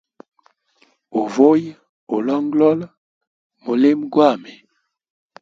Uvuya ulongolola mulimo gwami.